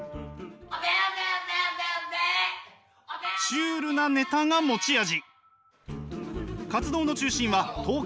シュールなネタが持ち味。